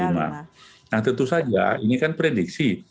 nah tentu saja ini kan prediksi